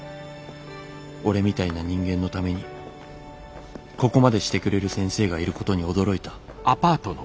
俺みたいな人間のためにここまでしてくれる先生がいることに驚いた」。